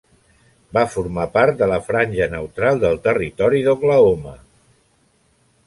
Va formar part de la franja neutral del Territori d'Oklahoma.